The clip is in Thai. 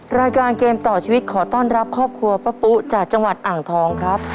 รายการเกมต่อชีวิตขอต้อนรับครอบครัวป้าปุ๊จากจังหวัดอ่างทองครับ